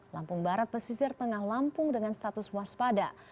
lampung barat pesisir tengah lampung dengan status waspada